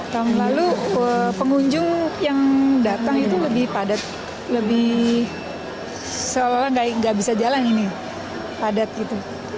tahun lalu pengunjung yang datang itu lebih padat lebih seolah olah nggak bisa jalan ini padat gitu